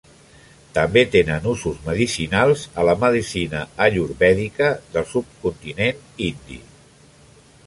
També tenen usos medicinals a la medicina ayurvèdica del subcontinent indi.